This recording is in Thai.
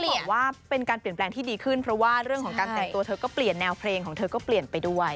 บอกว่าเป็นการเปลี่ยนแปลงที่ดีขึ้นเพราะว่าเรื่องของการแต่งตัวเธอก็เปลี่ยนแนวเพลงของเธอก็เปลี่ยนไปด้วย